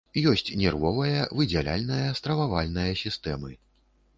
Ёсць нервовая, выдзяляльная, стрававальная сістэмы.